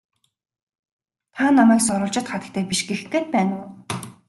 Та намайг сурвалжит хатагтай биш гэх гээд байна уу?